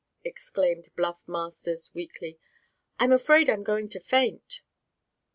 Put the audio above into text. exclaimed Bluff Masters, weakly. "I'm afraid I'm going to faint!"